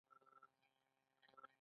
اووم ددې لارو ګډول دي.